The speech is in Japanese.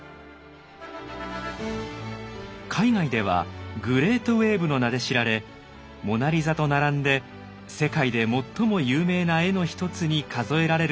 海外では「グレートウエーブ」の名で知られ「モナリザ」と並んで世界で最も有名な絵の一つに数えられるほどの人気ぶり。